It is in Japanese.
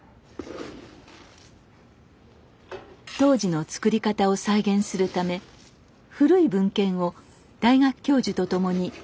当時のつくり方を再現するため古い文献を大学教授と共に解読。